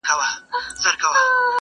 یوه برخه د پرون له رشوتونو!